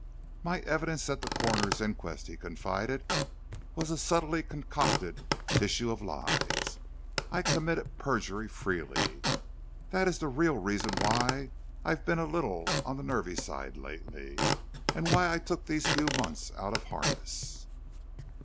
"My evidence at the coroner's inquest," he confided, "was a subtly concocted tissue of lies. I committed perjury freely. That is the real reason why I've been a little on the nervy side lately, and why I took these few months out of harness."